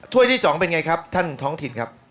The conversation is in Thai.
้วยที่๒เป็นไงครับท่านท้องถิ่นครับ